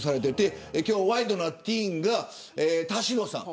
今日ワイドナティーンが田代さん。